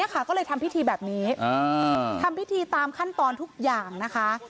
ก็เลยทำพิธีแบบนี้ทำพิธีตามขั้นตอนทุกอย่างนะคะ